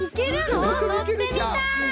のってみたい！